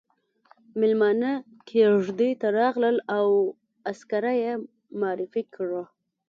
ميلمانه کېږدۍ ته راغلل او عسکره يې معرفي کړه.